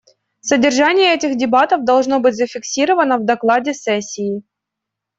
Содержание этих дебатов должно быть зафиксировано в докладе сессии.